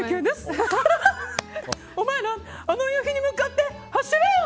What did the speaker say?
お前ら、あの夕日に向かって走れよ！